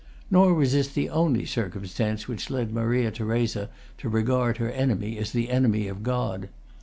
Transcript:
Nor was this the only circumstance which led Maria Theresa to regard her enemy as the enemy of God.